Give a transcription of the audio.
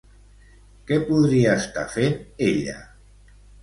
Què podria estar fent ella?